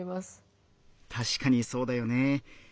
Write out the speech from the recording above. たしかにそうだよね。